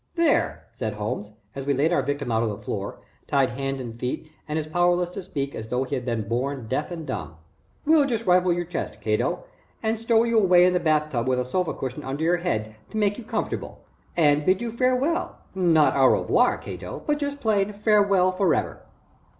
"There!" said Holmes, as we laid our victim out on the floor, tied hand and foot and as powerless to speak as though he had been born deaf and dumb. "We'll just rifle your chest, Cato, and stow you away in the bath tub with a sofa cushion under your head to make you comfortable, and bid you farewell not au revoir, Cato, but just plain farewell forever."